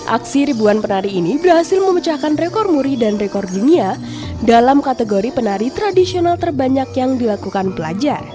aksi ribuan penari ini berhasil memecahkan rekor muri dan rekor dunia dalam kategori penari tradisional terbanyak yang dilakukan pelajar